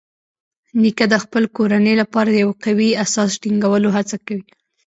نیکه د خپل کورنۍ لپاره د یو قوي اساس ټینګولو هڅه کوي.